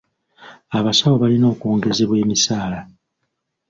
Abasawo balina okwongezebwa emisaala.